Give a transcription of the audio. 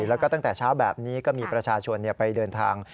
แล้วก็ตั้งแต่เช้าแบบนี้ก็มีประชาชนไปเดินทาง